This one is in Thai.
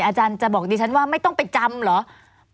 อาจารย์จะบอกดิฉันว่าไม่ต้องไปจำเหรอ